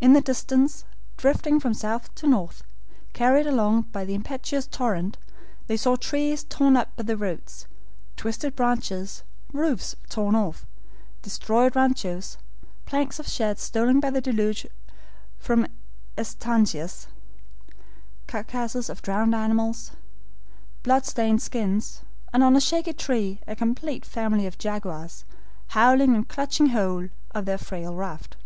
In the distance, drifting from south to north, carried along by the impetuous torrent, they saw trees torn up by the roots, twisted branches, roofs torn off, destroyed RANCHOS, planks of sheds stolen by the deluge from ESTANCIAS, carcasses of drowned animals, blood stained skins, and on a shaky tree a complete family of jaguars, howling and clutching hold of their frail raft.